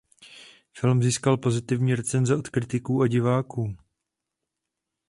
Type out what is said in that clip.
Film získal pozitivní recenze od kritiků a diváků.